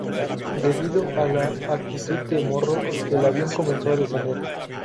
Debido a la actitud de morro, el avión comenzó a descender.